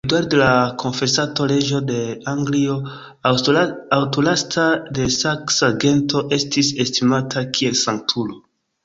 Eduardo la Konfesanto, reĝo de Anglio, antaŭlasta de saksa gento, estis estimata kiel sanktulo.